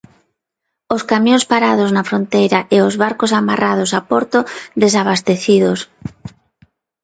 Os camións parados na fronteira e os barcos amarrados a porto, desabastecidos.